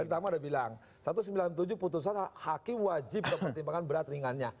gini tadi tamu udah bilang satu ratus sembilan puluh tujuh putusan hakim wajib untuk pertimbangan berat ringannya